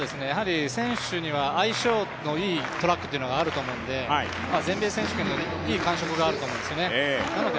選手には相性のいいトラックというのがあると思うんで全米選手権のいい感触があると思うんですね。